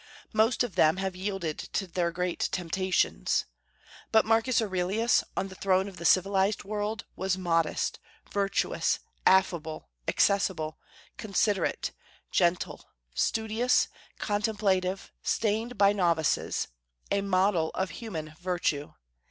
Most of them have yielded to their great temptations. But Marcus Aurelius, on the throne of the civilized world, was modest, virtuous, affable, accessible, considerate, gentle, studious, contemplative, stained by novices, a model of human virtue.